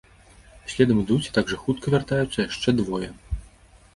Следам ідуць і так жа хутка вяртаюцца яшчэ двое.